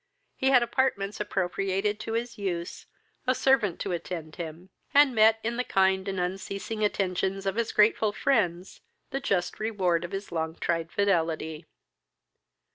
He had apartments appropriated to his use, a servant to attend him, and met, in the kind and unceasing attentions of his grateful friends, the just reward of his long tried fidelity.